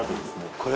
これ？